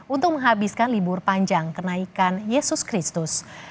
untuk menghabiskan libur panjang kenaikan yesus kristus